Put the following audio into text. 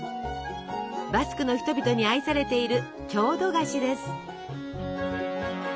バスクの人々に愛されている郷土菓子です。